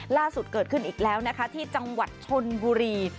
ล่าสุดเกิดขึ้นอีกแล้วนะคะที่จังหวัดชนบุรี